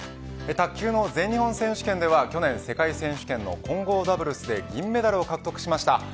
卓球の全日本選手権では去年世界選手権の混合ダブルスで銀メダルを獲得しました